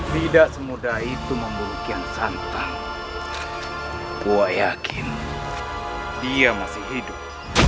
tidak semudah itu membuluhkan santan buat yakin dia masih hidup